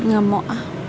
gak mau ah